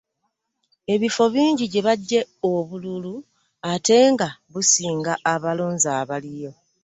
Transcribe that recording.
Ebifo bingi gye baggye obululu ate nga businga abalonzi abaliyo.